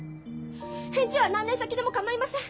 返事は何年先でも構いません。